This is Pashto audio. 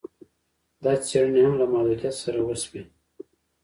دا څېړني هم له محدویت سره وسوې